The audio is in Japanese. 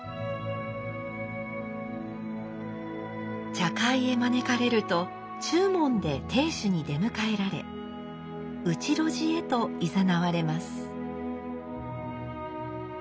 茶会へ招かれると中門で亭主に出迎えられ内露地へといざなわれます。